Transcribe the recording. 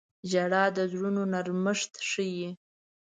• ژړا د زړونو نرمښت ښيي.